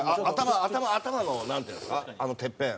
頭のなんていうんですかてっぺん。